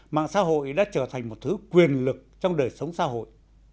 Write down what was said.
mạng xã hội đã trở thành một thứ quyền lực trong đời sống xã hội